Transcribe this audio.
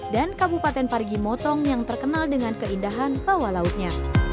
dan kabupaten pargi motong yang terkenal dengan keindahan bawah lautnya